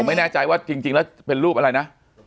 ไม่แน่ใจว่าจริงแล้วเป็นรูปอะไรนะ